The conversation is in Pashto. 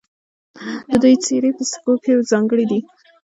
د دوی څیرې په سکو کې ځانګړې دي